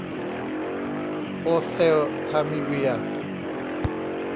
โอเซลทามิเวียร์